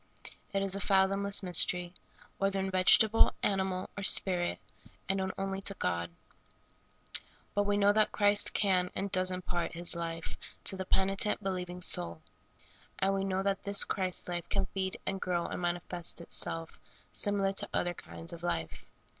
It is a fathomless mystery, whether in vegetable, animal, or spirit, and known only to God. But we know that Christ can and does impart His life to the penitent,, believing soul ; and we know that this Christ life can feed and grow and manifest itself similiar to other kinds of life.